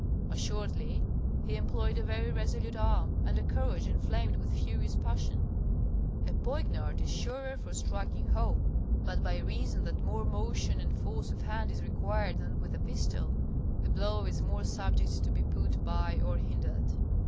Assuredly, he employed a very resolute arm and a courage enflamed with furious passion. A poignard is surer for striking home; but by reason that more motion and force of hand is required than with a pistol, the blow is more subject to be put by or hindered.